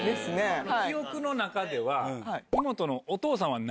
記憶の中では。